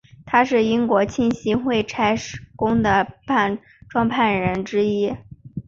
他是英国浸信会差会的创办人之一。